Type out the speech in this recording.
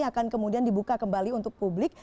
akan kemudian dibuka kembali untuk publik